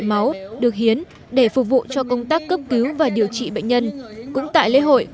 máu được hiến để phục vụ cho công tác cấp cứu và điều trị bệnh nhân cũng tại lễ hội